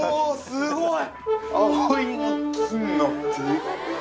すごい。